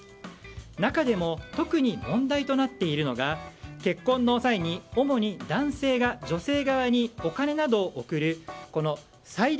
中でも特に問題となっているのが結婚の際に主に男性が女性側にお金などを送る彩